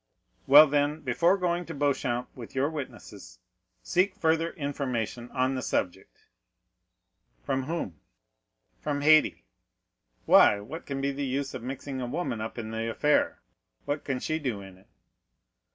"Well, then, before going to Beauchamp with your witnesses, seek further information on the subject." "From whom?" "From Haydée." "Why, what can be the use of mixing a woman up in the affair?—what can she do in it?"